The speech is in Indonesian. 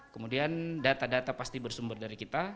kemudian data data pasti bersumber dari kita